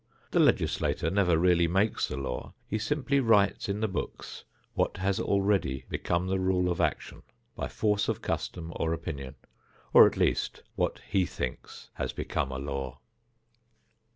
The legislator never really makes the law; he simply writes in the books what has already become the rule of action by force of custom or opinion, or at least what he thinks has become a law.